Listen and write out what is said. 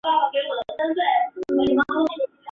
他现在效力于克罗地亚球队萨格勒布。